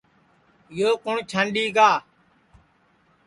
یو کُوٹؔ چھانٚڈؔ گا